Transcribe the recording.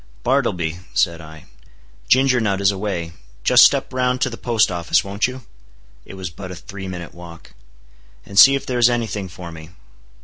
"Bartleby," said I, "Ginger Nut is away; just step round to the Post Office, won't you? (it was but a three minute walk,) and see if there is any thing for me."